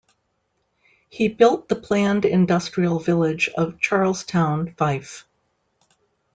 He built the planned industrial village of Charlestown, Fife.